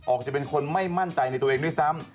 จะเป็นคนไม่มั่นใจในตัวเองด้วยซ้ำ